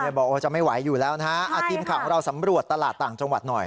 บอกโอ้จะไม่ไหวอยู่แล้วนะฮะทีมข่าวของเราสำรวจตลาดต่างจังหวัดหน่อย